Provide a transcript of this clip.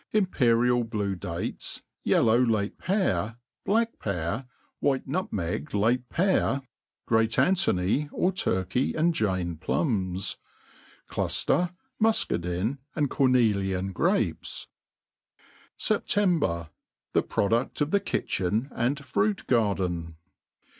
Imperial blue dates, yellow late pear, black pear, white nut meg late pear, great Antony or Turkey and Jane plums*. Clufter, mufcadin, and cornelian gcapes. Sepifmi^r^ MApE PLAIN AND EASY, 341 Sept ember. ^The Prsdu£f of the Kitchen and Fruit Garden.